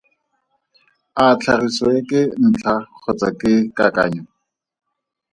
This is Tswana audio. A tlhagiso e ke ntlha kgotsa ke kakanyo?